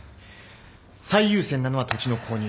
最優先なのは土地の購入